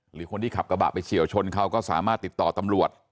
หรือคนที่ขับกระบะไปเฉียวชนเขาก็สามารถติดต่อตำรวจ